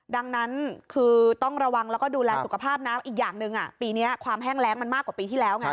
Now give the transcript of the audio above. ดังนั้นคือต้องระวังแล้วก็ดูแลสุขภาพน้ำอีกอย่างหนึ่งปีนี้ความแห้งแรงมันมากกว่าปีที่แล้วไง